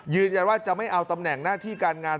ยืนยันว่าจะไม่เอาตำแหน่งหน้าที่การงาน